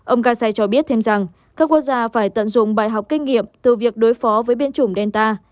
ông kazai cho biết thêm rằng các quốc gia phải tận dụng bài học kinh nghiệm từ việc đối phó với biến chủng delta